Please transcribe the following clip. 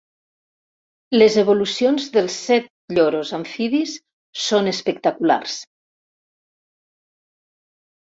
Les evolucions dels set lloros amfibis són espectaculars.